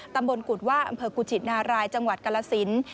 ตำบลกุฎว่าอำเภอกุชินารายจังหวัดกรสิน